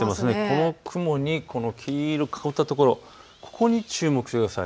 この雲に黄色く囲った所、ここに注目してください。